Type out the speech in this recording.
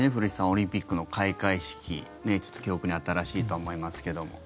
オリンピックの開会式記憶に新しいと思いますけども。